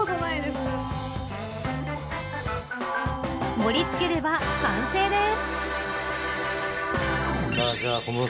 盛り付ければ完成です。